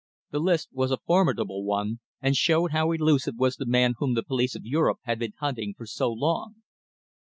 The list was a formidable one, and showed how elusive was the man whom the police of Europe had been hunting for so long.